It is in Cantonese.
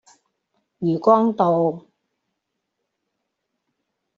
漁光道